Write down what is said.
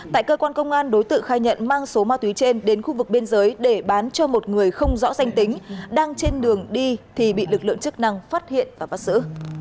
tại cơ quan công an đối tượng khai nhận mang số ma túy trên đến khu vực biên giới để bán cho một người không rõ danh tính đang trên đường đi thì bị lực lượng chức năng phát hiện và bắt giữ